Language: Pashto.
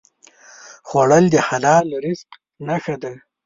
خوړل د حلال رزق نښه ده